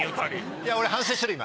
いや俺反省してる今。